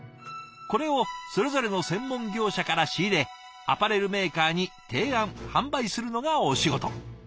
これをそれぞれの専門業者から仕入れアパレルメーカーに提案販売するのがお仕事。